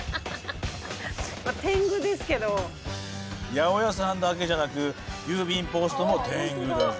八百屋さんだけじゃなく郵便ポストも天狗だぜ。